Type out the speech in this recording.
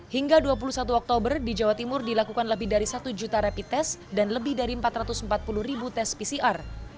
hingga dua puluh satu oktober di jawa timur dilakukan lebih dari satu juta rapid test dan lebih dari empat ratus empat puluh ribu tes pcr